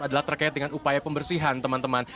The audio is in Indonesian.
adalah terkait dengan upaya pembersihan teman teman